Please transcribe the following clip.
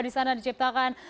di sana diciptakan